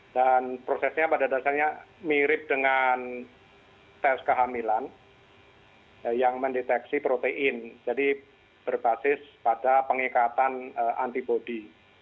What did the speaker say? dan prosesnya pada dasarnya mirip dengan tes kehamilan yang mendeteksi protein jadi berbasis pada pengikatan antibody